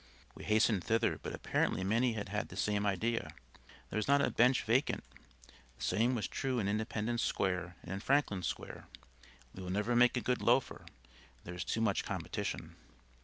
We hastened thither, but apparently many had had the same idea. There was not a bench vacant. The same was true in Independence Square and in Franklin Square. We will never make a good loafer. There is too much competition.